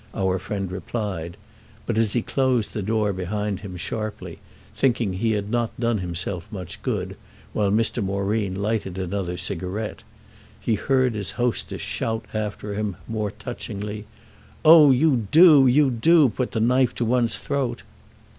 our friend replied; but as he closed the door behind him sharply, thinking he had not done himself much good, while Mr. Moreen lighted another cigarette, he heard his hostess shout after him more touchingly: "Oh you do, you do, put the knife to one's throat!"